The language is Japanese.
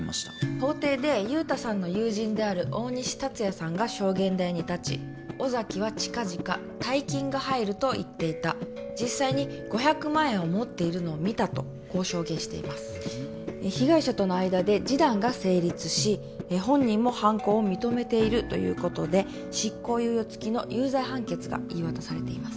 法廷で雄太さんの友人の大西達也さんが証言台に立ち尾崎は近々大金が入ると言っていた実際に５００万円を持っているのを見たとこう証言しています被害者との間で示談が成立し本人も犯行を認めているということで執行猶予付きの有罪判決が言い渡されています